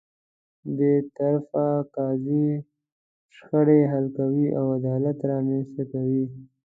بېطرفه قاضی شخړې حل کوي او عدالت رامنځته کوي.